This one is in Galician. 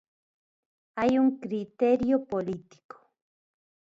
Hai un criterio político.